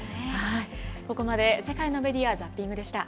ここまで世界のメディア・ザッピングでした。